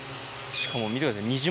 しかも、見てください。